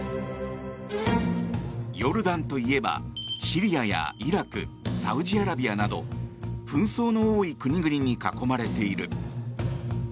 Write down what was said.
ヨルダンといえばシリアやイラクサウジアラビアなど紛争の多い国々に囲まれている。